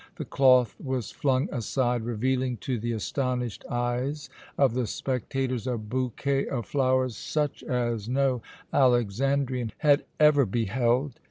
The cloth was flung aside, revealing to the astonished eyes of the spectators a bouquet of flowers such as no Alexandrian had ever beheld.